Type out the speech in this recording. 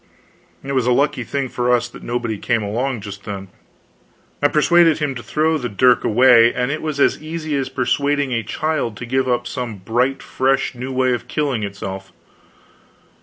It was a lucky thing for us that nobody came along just then. I persuaded him to throw the dirk away; and it was as easy as persuading a child to give up some bright fresh new way of killing itself.